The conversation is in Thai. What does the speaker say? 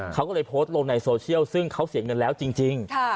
เขาก็เลยโพสต์ลงในโซเชียลซึ่งเขาเสียเงินแล้วจริง